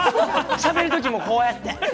喋るときも、こうやって。